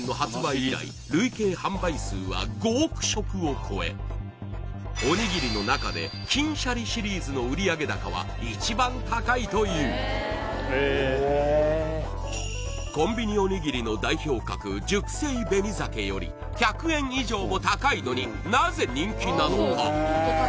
まずはおにぎりの中で金しゃりシリーズの売上高は一番高いというへーコンビニおにぎりの代表格熟成紅鮭より１００円以上も高いのになぜ人気なのか？